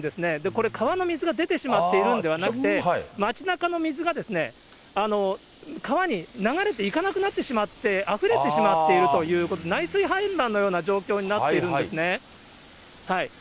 これ、川の水が出てしまっているんではなくて、町なかの水が川に流れていかなくなってしまって、あふれてしまっているということ、内水氾濫の状況になってるんですね。